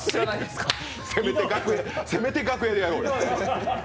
せめて楽屋でやろうよ。